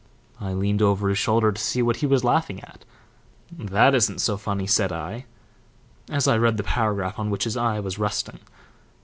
I leaned over his shoulder to see what he was laughing at. 'That isn't so funny,' said I, as I read the paragraph on which his eye was resting.